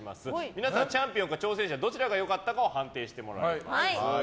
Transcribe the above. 皆さん、チャンピオンか挑戦者どちらが良かったかを判定してもらいます。